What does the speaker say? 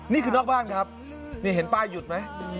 นี่คือนอกบ้านครับนี่เห็นป้ายหยุดไหม